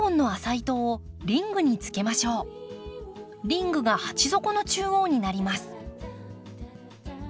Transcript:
リングが鉢底の中央になります。